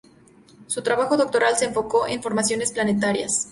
Su trabajo doctoral se enfocó en formaciones planetarias.